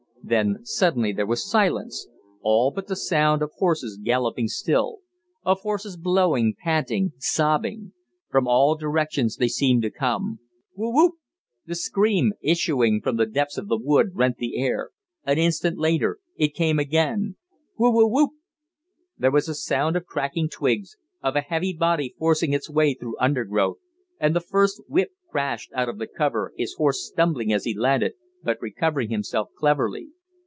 Then suddenly there was silence, all but the sound of horses galloping still; of horses blowing, panting, sobbing. From all directions they seemed to come. "Whoo whoop!" The scream, issuing from the depths of the wood, rent the air. An instant later it came again: "Whoo whoo whoop!" There was a sound of cracking twigs, of a heavy body forcing its way through undergrowth, and the first whip crashed out of the cover, his horse stumbling as he landed, but recovering himself cleverly.